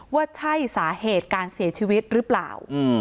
ว่าใช่สาเหตุการเสียชีวิตหรือเปล่า